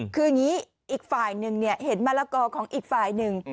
คืออย่างนี้อีกฝ่ายหนึ่งเห็นมะละกอของอีกฝ่ายหนึ่ง